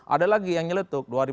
ada lagi yang nyeletuk